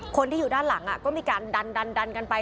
คนที่อยู่ด้านหลังก็มีการดันกันไป